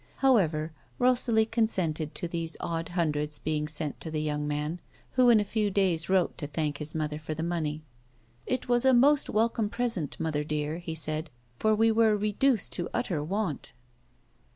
However, Rosalie consented to these odd hundreds being sent to the young man, who in a few days wrote to thank his mother for the money. " It was a most welcome present, mother dear," he said, " for we were re duced to utter want."